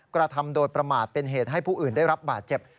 กระทำโดยประมาทเป็นเหตุให้ผู้อื่นได้รับบาดเจ็บ